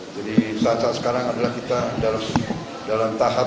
jadi saat saat sekarang adalah kita dalam tahap